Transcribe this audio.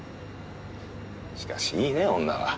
しかしいいねぇ女は。